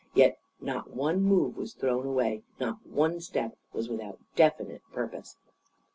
Yet not one move was thrown away, not one step was without definite purpose.